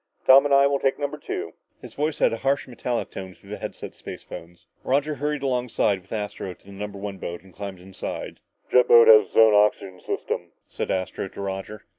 "Tom and I will take number two." His voice had a harsh metallic tone through the headset spacephones. Roger hurried along with Astro to the number one boat and climbed inside. "Jet boat has its own oxygen system," said Astro to Roger.